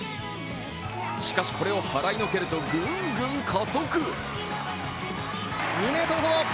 しかし、これを払いのけるとグングン加速。